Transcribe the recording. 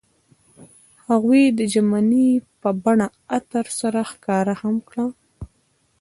هغوی د ژمنې په بڼه عطر سره ښکاره هم کړه.